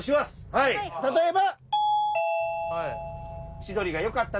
・はい・例えば。